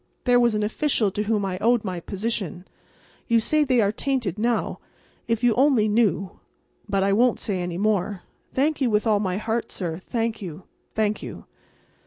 There was an official to whom I owed my position. You say they are tainted now. If you only knew—but I won't say any more. Thank you with all my heart, sir—thank you—thank you."